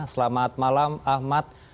selamat malam ahmad